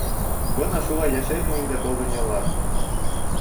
Бына шулай йәшәйһең инде был донъяла...